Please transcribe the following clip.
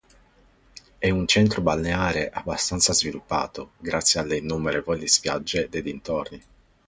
È un centro balneare abbastanza sviluppato grazie alle innumerevoli spiagge dei dintorni.